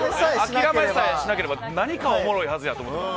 諦めさえしなければ何かおもろいはずやと思って。